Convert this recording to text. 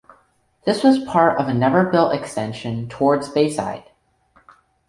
This was part of a never-built extension toward Bayside.